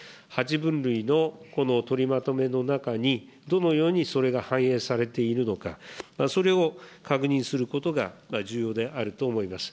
８分類のこの取りまとめの中に、どのようにそれが反映されているのか、それを確認することが重要であると思います。